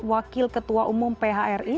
wakil ketua umum phri